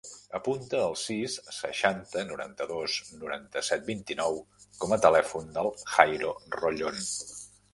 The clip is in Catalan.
Apunta el sis, seixanta, noranta-dos, noranta-set, vint-i-nou com a telèfon del Jairo Rollon.